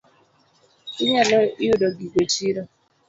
Inyalo yudo gigo e chiro.